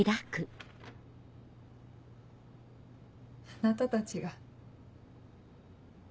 あなたたちが。